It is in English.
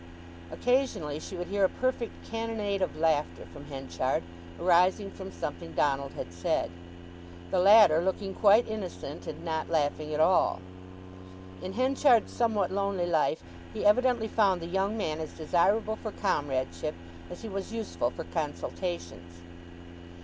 Occasionally she would hear a perfect cannonade of laughter from Henchard, arising from something Donald had said, the latter looking quite innocent and not laughing at all. In Henchard's somewhat lonely life he evidently found the young man as desirable for comradeship as he was useful for consultations.